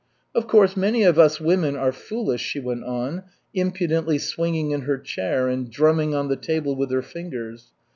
"Of course, many of us women are foolish," she went on, impudently swinging in her chair and drumming on the table with her fingers.